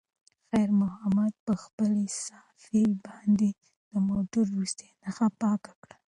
خیر محمد په خپلې صافې باندې د موټر وروستۍ نښه پاکه کړه.